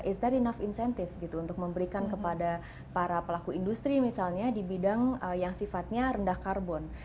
is that i nove incentive gitu untuk memberikan kepada para pelaku industri misalnya di bidang yang sifatnya rendah karbon